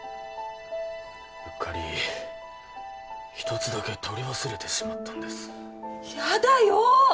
うっかり一つだけ取り忘れてしまったんですやだよ！